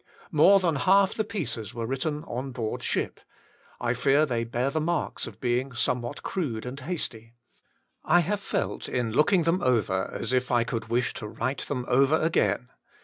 More than half the pieces were written on board ship ; I fear they bear the marks of being somewhat crude and hasty. I have felt, in looking them over, as if I could wish to write them over again.